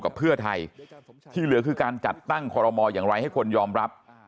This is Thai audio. กับเพื่อไทยที่เหลือคือการจัดตั้งคอรมออย่างไรให้คนยอมรับ